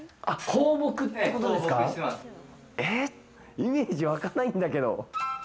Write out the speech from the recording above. イメージ湧かないんだけど。